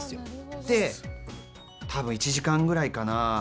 で、多分１時間ぐらいかな？